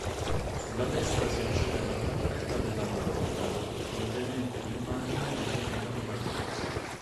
Sulla destra si accede alla cappella della Madonna, contenente l'immagine ritenuta miracolosa.